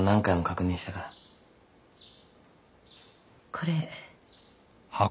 これ。